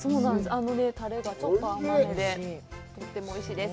タレがちょっと甘めで、とてもおいしいです。